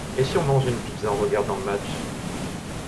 Et si on mangeait une pizza en regardant le match?